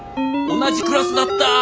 同じクラスだった。